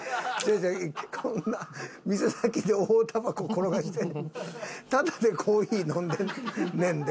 こんな店先で大たばこ転がしてタダでコーヒー飲んでんねんで？